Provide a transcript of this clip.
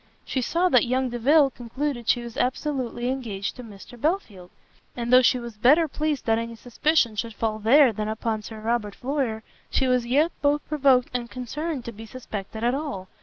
She saw that young Delvile concluded she was absolutely engaged to Mr Belfield, and though she was better pleased that any suspicion should fall there than upon Sir Robert Floyer, she was yet both provoked and concerned to be suspected at all.